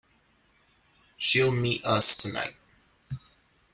She'll meet us tonight.